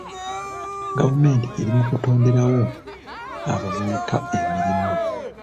Gavumenti eri mu kutonderawo abavubuka emirimu.